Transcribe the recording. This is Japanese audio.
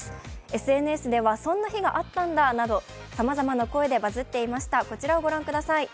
ＳＮＳではそんな日があったんだなど、さまざまな声でバズっていました。